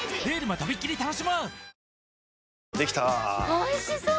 おいしそう！